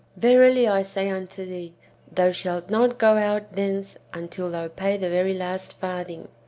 Yerily, I say unto thee, thou shalt not go out thence until thou pay the very last farthing.""